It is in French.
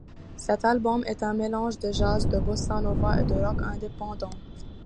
Cet album est un mélange de jazz, de bossa nova et de rock indépendant.